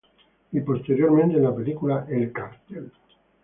Y posteriormente en la película El Cartel.